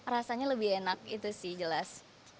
rasanya lebih enak itu sih jelas